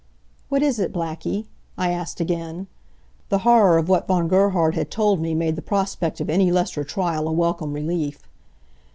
"What is it Blackie?" I asked again. The horror of what Von Gerhard had told me made the prospect of any lesser trial a welcome relief.